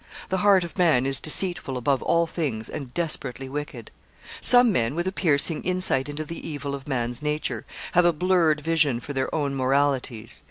The heart of man is deceitful above all things and desperately wicked. Some men, with a piercing insight into the evil of man's nature, have a blurred vision for their own moralities.